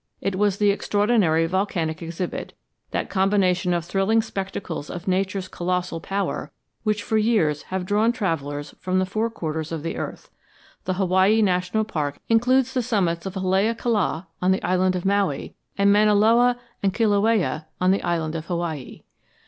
It was the extraordinary volcanic exhibit, that combination of thrilling spectacles of Nature's colossal power which for years have drawn travellers from the four quarters of the earth. The Hawaii National Park includes the summits of Haleakala, on the island of Maui, and Mauna Loa and Kilauea, on the island of Hawaii.